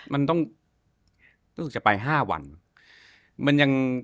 มันต้องรู้สึกจะไป๕วัน